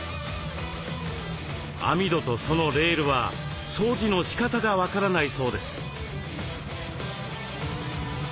網戸とそのレールは掃除のしかたが分からないそうです。